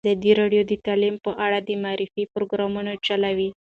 ازادي راډیو د تعلیم په اړه د معارفې پروګرامونه چلولي.